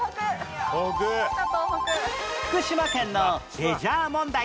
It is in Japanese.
福島県のレジャー問題